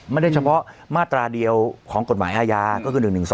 เฉพาะมาตราเดียวของกฎหมายอาญาก็คือ๑๑๒